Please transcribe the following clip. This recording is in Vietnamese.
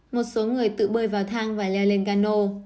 một số người tự bơi vào thang và leo lên cano